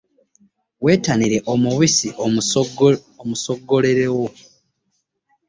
Wettanire omubisi omusogolerewo.